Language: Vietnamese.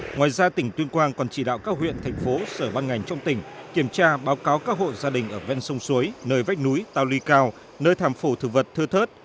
ngoài ra tỉnh tuyên quang còn chỉ đạo các huyện thành phố sở ban ngành trong tỉnh kiểm tra báo cáo các hộ gia đình ở ven sông suối nơi vách núi tào ly cao nơi thảm phổ thực vật thưa thớt